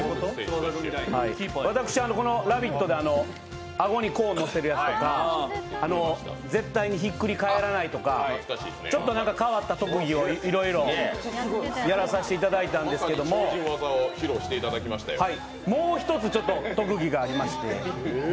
私、この「ラヴィット！」であごにコーンのせるやつとか絶対にひっくり返らないとかちょっとなんか変わった特技をいろいろやらさせていただいたんですけどもう一つ特技がありまして。